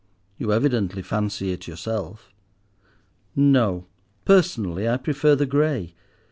You evidently fancy it yourself." "No, personally I prefer the grey.